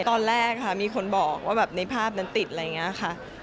ตอนแรกค่ะมีคนบอกว่าแบบในภาพนั้นติดอะไรอย่างนี้ค่ะ